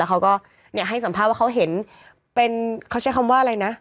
แล้วเขาก็เนี่ยให้สัมภาพว่าเขาเห็นเป็นเขาใช้คำว่าอะไรนะ